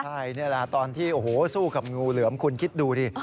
ใช่นี่แหละตอนที่โอ้โหสู้กับงูเหลือมคุณคิดดูดิ